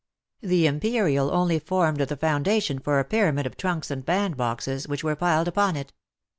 The imperial only formed the foundation for a pyramid of trunks and bandboxes, which were piled upon it.